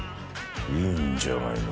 いいんじゃないの？